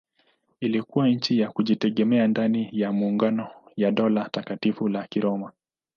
Ilikuwa nchi ya kujitegemea ndani ya maungano ya Dola Takatifu la Kiroma.